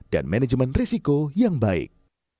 dan manajemen risiko yang baik